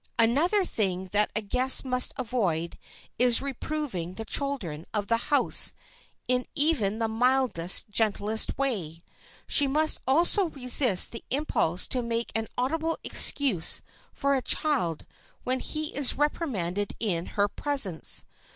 Another thing that a guest must avoid is reproving the children of the house in even the mildest, gentlest way. She must also resist the impulse to make an audible excuse for a child when he is reprimanded in her presence.